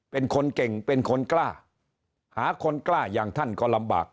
เป็นคนเก่งเป็นคนกล้าหาคนกล้าอย่างท่านก็ลำบาก